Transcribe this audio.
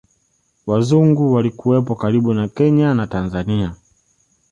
Wazungu walikuwepo karibu na Kenya na Tanzania